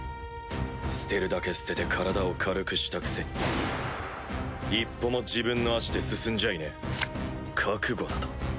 捨てるだけ捨てて体を軽くしたくせに１歩も自分の足で進んじゃいねえ覚悟だと？